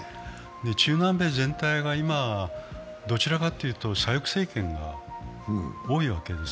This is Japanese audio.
中南米全体が今、どちらかというと左翼政権が多いわけです。